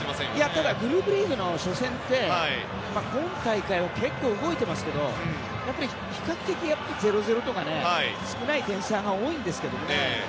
ただグループリーグの初戦って今大会は結構動いていますけどやっぱり比較的０−０とか少ない点差が多いんですけどもね。